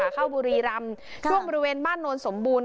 เข้าบุรีรำช่วงบริเวณบ้านโนนสมบูรณ